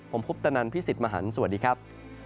ผมคุปตนันพี่สิทธิ์มหันฯสวัสดีครับ